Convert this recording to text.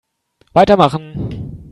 Weitermachen!